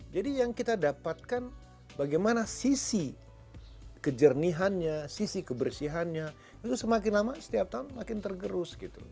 jadi yang kita dapatkan bagaimana sisi kejernihannya sisi kebersihannya itu semakin lama setiap tahun makin tergerus